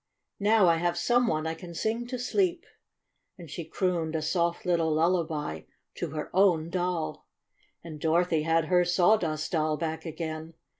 Now I have some one I can sing to sleep!" And she crooned a soft little lullaby to her own doll. And Dorothy had her Sawdust Doll back again.